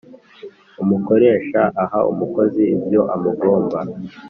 umukoresha aha umukozi ibyo amugomba